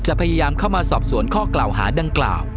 พยายามเข้ามาสอบสวนข้อกล่าวหาดังกล่าว